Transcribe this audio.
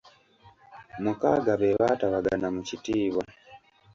Mukaaga be baatabagana mu kitiibwa.